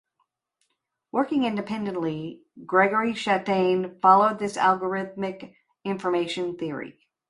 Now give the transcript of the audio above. Working independently, Gregory Chaitin followed this with algorithmic information theory.